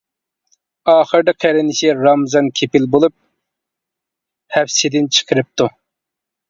ئاخىرىدا قېرىندىشى رامىزان كېپىل بولۇپ ھەپسىدىن چىقىرىپتۇ.